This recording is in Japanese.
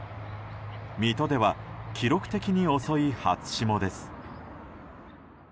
水戸では記録的に遅い初霜です。